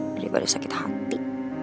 daripada sakit hati